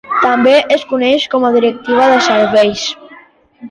També es coneix com a Directiva de Serveis.